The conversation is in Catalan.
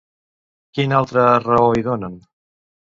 Quina altra raó hi donen?